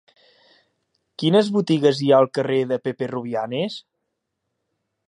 Quines botigues hi ha al carrer de Pepe Rubianes?